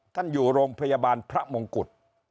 อยู่โรงพยาบาลพระมงกุฎ